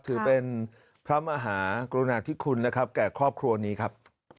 ถือเป็นพระมหากรุณาธิคุณนะครับแก่ครอบครัวนี้ครับ